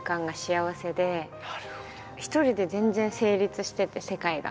一人で全然成立してて世界が。